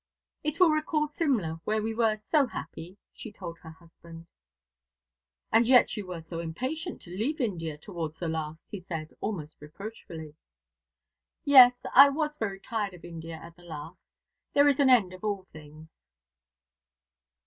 "It will recall Simla, where we were so happy," she told her husband. "And yet you were so impatient to leave India, towards the last," he said, almost reproachfully. "Yes, I was very tired of India at the last. There is an end of all things."